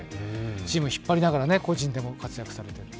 チーム引っ張りながら個人でも活躍されて。